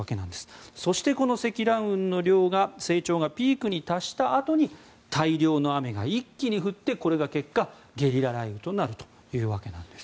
そしてこの積乱雲の量が成長がピークに達したあとに大量の雨が一気に降ってこれが結果、ゲリラ雷雨となるわけなんです。